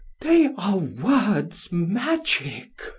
They are words magic!